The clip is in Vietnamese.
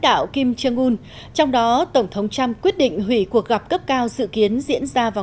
đạo kim jong un trong đó tổng thống trump quyết định hủy cuộc gặp cấp cao dự kiến diễn ra vào